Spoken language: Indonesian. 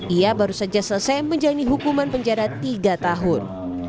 ia baru saja selesai menjalani hukuman penjara tiga tahun